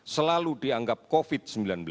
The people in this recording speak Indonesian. selalu dianggap covid sembilan belas